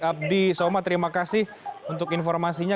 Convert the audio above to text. abdi soma terima kasih untuk informasinya